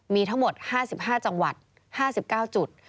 มีทั้งหมด๕๕จังหวัด๕๙จุด